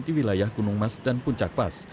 di wilayah gunung mas dan puncak pas